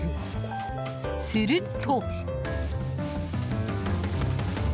すると。